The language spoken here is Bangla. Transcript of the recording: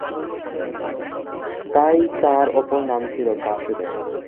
তাই তাঁর অপর নাম ছিল "বাসুদেব"।